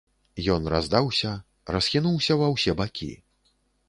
Ён раздаўся, расхінуўся ва ўсе бакі.